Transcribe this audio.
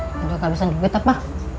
dua kakak bisa dihubit apa